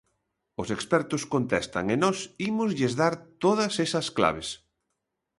Os expertos contestan e nós ímoslles dar todas esas claves.